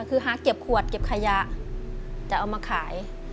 คือหาเก็บขวดเก็บขยะจะเอามาขาย